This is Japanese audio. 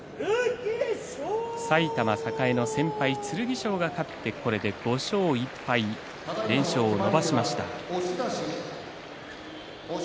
埼玉栄高校の先輩の剣翔が勝って５勝１敗と連勝を伸ばしました。